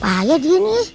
bahaya dia nih